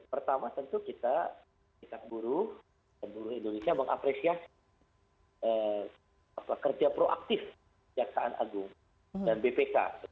pertama tentu kita pihak guru penjaga indonesia mengapresiasi kerja proaktif kejaksaan agung dan bpk